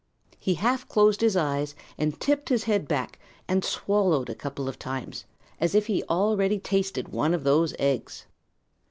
He half closed his eyes and tipped his head back and swallowed a couple of times, as if he already tasted one of those eggs.